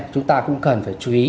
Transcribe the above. chúng ta cũng cần phải chú ý